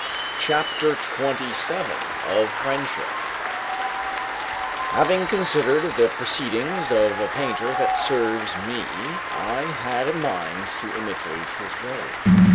CHAPTER XXVII OF FRIENDSHIP Having considered the proceedings of a painter that serves me, I had a mind to imitate his way.